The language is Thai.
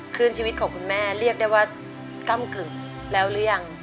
คลื่นชีวิตของคุณแม่เรียกได้ว่าก้ำกึ่งแล้วหรือยัง